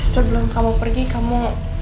sebelum kamu pergi kamu